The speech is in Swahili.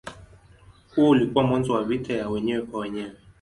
Huo ulikuwa mwanzo wa vita ya wenyewe kwa wenyewe.